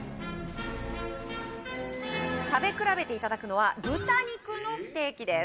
食べ比べていただくのは豚肉のステーキです